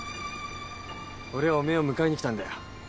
俺はおめえを迎えに来たんだよ。